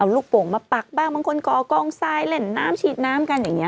ลูกโป่งมาปักบ้างบางคนก่อกองทรายเล่นน้ำฉีดน้ำกันอย่างนี้